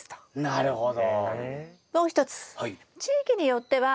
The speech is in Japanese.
なるほど。